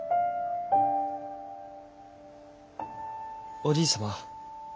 おじい様。